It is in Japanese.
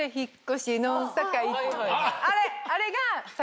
あれあれが。